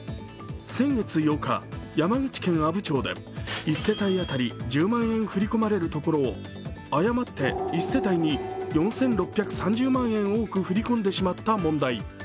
先月８日、山口県阿武町で１世帯当たり１０万円振り込まれるところを誤って１世帯に４６３０万円多く振り込んでしまった問題。